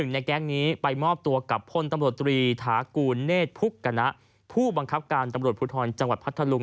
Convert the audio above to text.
ในแก๊งนี้ไปมอบตัวกับพลตำรวจตรีถากูลเนธพุกณะผู้บังคับการตำรวจภูทรจังหวัดพัทธลุง